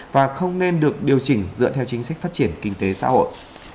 và không nên được điều chỉnh dựa theo chính sách phát triển kinh tế xã hội